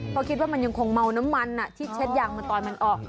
เพราะคิดว่ามันยังคงเมาน้ำมันที่เช็ดยางมาตอนมันออก